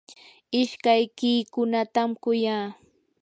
ishkaykiykunatam kuyaa.